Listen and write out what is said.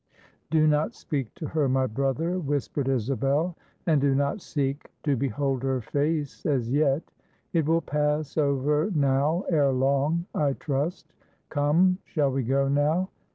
"Do not speak to her, my brother," whispered Isabel, "and do not seek to behold her face, as yet. It will pass over now, ere long, I trust. Come, shall we go now?